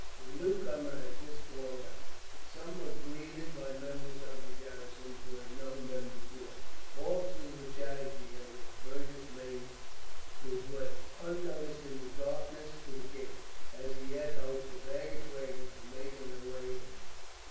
The newcomers had just fallen out. Some were being greeted by members of the garrison who had known them before, officers were chatting together; and Fergus made his way, unnoticed in the darkness, to the gate. As he had hoped, the baggage waggons were making their way in.